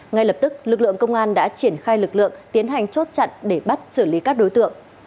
ngay lập tức lực lượng công an đã triển khai lực lượng tiến hành chốt chặn để bắt xử lý các đối tượng